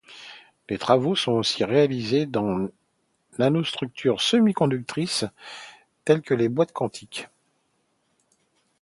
Des travaux sont aussi réalisés dans nanostructures semiconductrices telles que les boîtes quantiques.